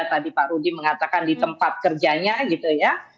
tadi pak rudi mengatakan di tempat kerjanya gitu ya